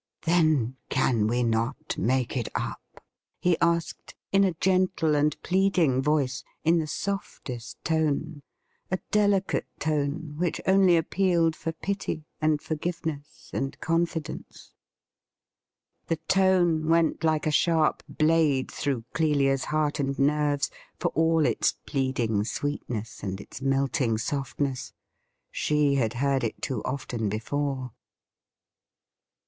' Then, can we not make it up ?' he asked, in a gentle and pleading voice, in the softest tone — a delicate tone which only appealed for pity, and forgiveness, and con fidence. The tone went like a sharp blade through Clelia's heart and nerves, for all its pleading sweetness and its melting softness. She had heard it too often before.